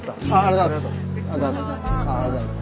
ありがとうございます。